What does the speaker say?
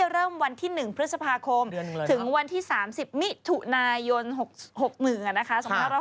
เริ่มวันที่๑พฤษภาคมถึงวันที่๓๐มิถุนายน๖๑นะคะ